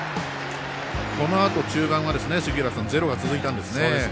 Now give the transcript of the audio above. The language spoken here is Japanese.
このあと、中盤はゼロが続いたんですね。